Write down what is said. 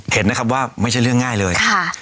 เห็นนะครับว่าไม่ใช่เรื่องง่ายเลย